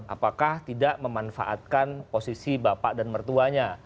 apakah tidak memanfaatkan posisi bapak dan mertuanya